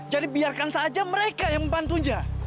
jadi biarkan saja mereka yang membantunya